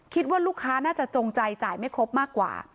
คิดว่าลูกค้าน่าจะจงใจจ่ายไม่ครบมากกว่า